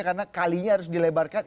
karena kalinya harus dilebarkan